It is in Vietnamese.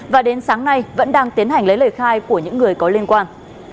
và đến sáng nay vẫn đang tiến hành lấy lời khai của những người có liên quan